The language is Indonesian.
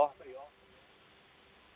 tentu tidak akan ada dugaan dalam